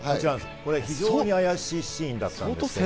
これ非常にあやしいシーンだったんです。